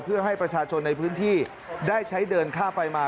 เพื่อให้ประชาชนในพื้นที่ได้ใช้เดินค่าไฟมา